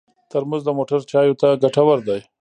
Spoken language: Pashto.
ترموز د موټر چایو ته ګټور دی.